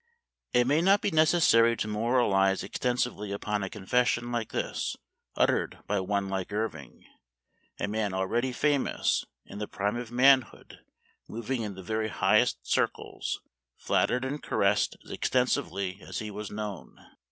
It may not be necessary to moralize exten sively upon a confession like this, uttered by one like Irving — a man already famous, in the prime of manhood, moving in the very highest circles, flattered and caressed as extensively as he was known.